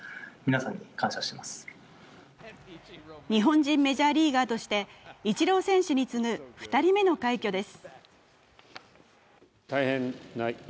日本人メジャーリーガーとしてイチロー選手に次ぐ２人目の快挙です。